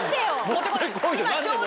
持ってこないです。